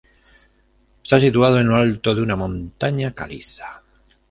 Está situado en lo alto de una montaña caliza.